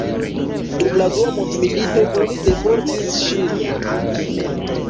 Dum la dua mondmilito oni deportis ŝin.